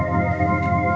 dia pegang dazu kep flee